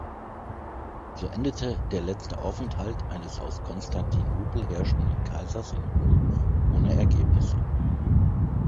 So endete der letzte Aufenthalt eines aus Konstantinopel herrschenden Kaisers in Rom ohne Ergebnisse.